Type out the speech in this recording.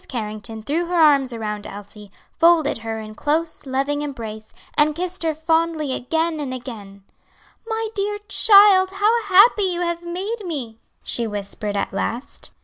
Carrington threw her arms around Elsie, folded her in close, loving embrace, and kissed her fondly again and again, "My dear child, how happy you have made me!" she whispered at last.